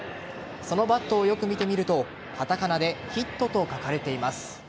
そのバットをよく見てみるとカタカナでヒットと書かれています。